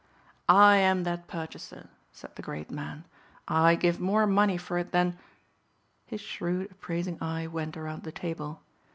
"I am that purchaser!" said the great man. "I give more money for it than " his shrewd appraising eye went around the table.